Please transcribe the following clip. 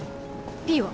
「Ｐ」は？